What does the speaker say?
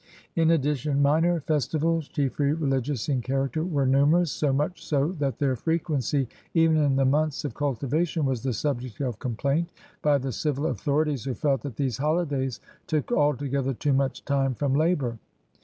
In addition, minor festivals, chiefly religious in character, were numerous, so much so that their f requaicy even in the months of cultivation was the subject of complaint by the civil authorities, who felt that these holidays took altogether too much time from labor.